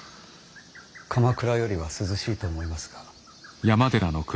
鎌倉よりは涼しいと思いますが。